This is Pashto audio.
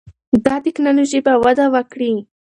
دا ټکنالوژي به وده وکړي.